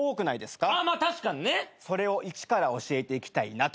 確かにね。それを一から教えていきたいなと。